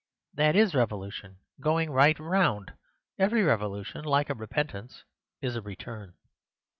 That is revolution—going right round! Every revolution, like a repentance, is a return.